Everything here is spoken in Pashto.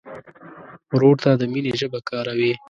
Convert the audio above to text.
ورور ته د مینې ژبه کاروې.